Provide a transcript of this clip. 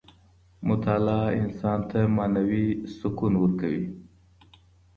مطالعه انسان ته معنوي سکون ورکوي.